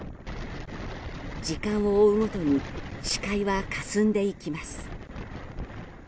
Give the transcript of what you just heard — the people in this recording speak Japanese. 時間を追うごとに視界はかすんでいきます。